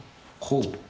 こう？